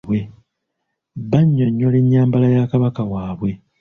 Banyonnyola enyambala ya kabaka waabwe.